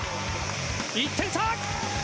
１点差！